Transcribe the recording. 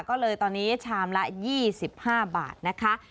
ก็เลยตอนนี้ชามละ๒๕บาทนะคะ